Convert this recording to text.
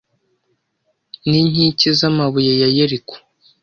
n inkike z amabuye ya yeriko